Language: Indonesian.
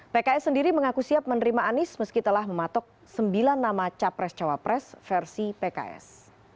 pks sendiri mengaku siap menerima anies meski telah mematok sembilan nama capres cawapres versi pks